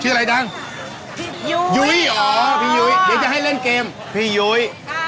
อะไรดังพี่ยุ้ยยุ้ยอ๋อพี่ยุ้ยเดี๋ยวจะให้เล่นเกมพี่ยุ้ย